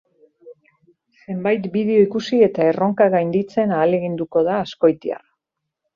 Zenbait bideo ikusi eta erronka gainditzen ahaleginduko da azkoitiarra.